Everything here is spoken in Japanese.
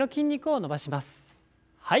はい。